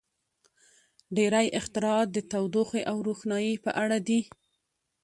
• ډېری اختراعات د تودوخې او روښنایۍ په اړه دي.